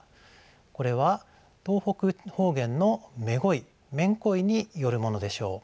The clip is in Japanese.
これは東北方言の「めごい」「めんこい」によるものでしょう。